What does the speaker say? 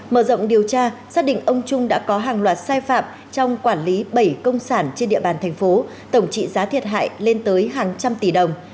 mở rộng điều tra xác định ông trung đã có hàng loạt sai phạm trong quản lý bảy công sản trên địa bàn thành phố tổng trị giá thiệt hại lên tới hàng trăm tỷ đồng